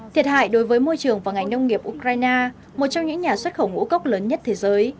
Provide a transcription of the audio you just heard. thiệt hại đối với môi trường và ngành nông nghiệp ukraine một trong những nhà xuất khẩu ngũ cốc lớn nhất thế giới